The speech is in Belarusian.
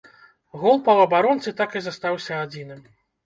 Гол паўабаронцы так і застаўся адзіным.